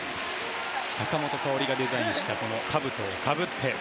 坂本花織がデザインしたかぶとをかぶって。